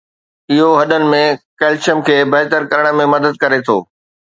اهو هڏن ۾ ڪلسيم کي بهتر ڪرڻ ۾ مدد ڪري ٿو